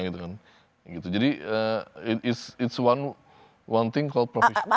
jadi itu adalah hal yang dipanggil profesionalisme